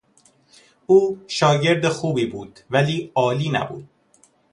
او شاگرد خوبی بود ولی عالی نبود.